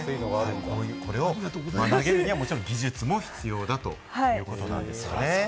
これを投げるにはもちろん技術も必要だということなんですよね。